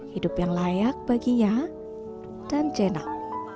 hidup yang layak baginya dan jenak